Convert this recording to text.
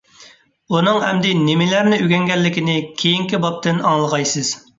ئۇنىڭ ئەمدى نېمىلەرنى ئۆگەنگەنلىكىنى كېيىنكى بابتىن ئاڭلىغايسىز.